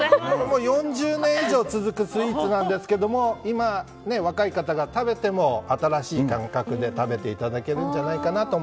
４０年以上続くスイーツですが今、若い方が食べても新しい感覚で食べていただけるんじゃないかな